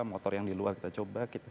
motor yang di luar kita coba